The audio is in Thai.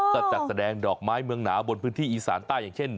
ก็จัดแสดงดอกไม้เมืองหนาวบนพื้นที่อีสานใต้อย่างเช่น